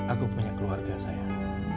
aku punya keluarga sayang